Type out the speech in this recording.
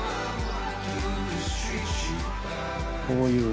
こういう。